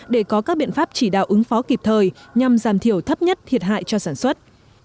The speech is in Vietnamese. để có các biện pháp chỉ đạo ứng phó kịp thời nhằm giảm thiểu thấp nhất thiệt hại cho sản xuất